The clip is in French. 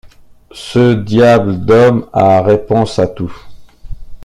Ce diable d’homme a réponse à tout.